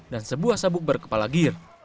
dan sebuah sabuk berkepala gear